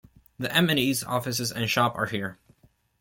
The M and E's offices and shop are here.